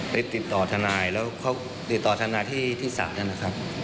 ไปติดต่อทนายแล้วเขาติดต่อทนายที่ศาลนะครับ